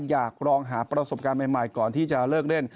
อยากลองหาประสบการณ์ใหม่ก่อนที่จะเลิกเล่น